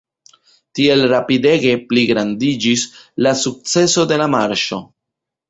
Tiel rapidege pligrandiĝis la sukceso de la marŝo.